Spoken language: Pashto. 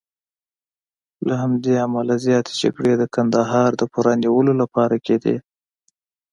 له همدې امله زیاتې جګړې د کندهار د پوره نیولو لپاره کېدې.